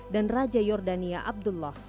dan raja yordania abdullah